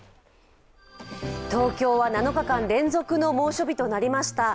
東京は７日間連続の猛暑日となりました。